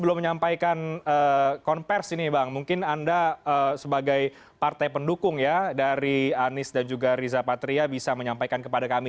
belum menyampaikan konversi ini bang mungkin anda sebagai partai pendukung ya dari anies dan juga riza patria bisa menyampaikan kepada kami